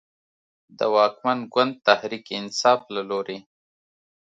د واکمن ګوند تحریک انصاف له لورې